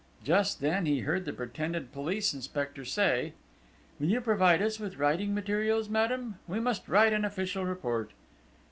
Just then he heard the pretended police inspector say: "Will you provide us with writing materials, madame? We must write an official report."